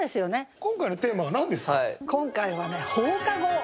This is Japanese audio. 今回のテーマは何ですか？